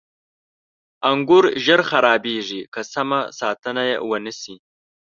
• انګور ژر خرابېږي که سمه ساتنه یې ونه شي.